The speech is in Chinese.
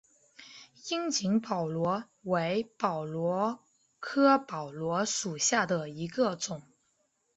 樱井宝螺为宝螺科宝螺属下的一个种。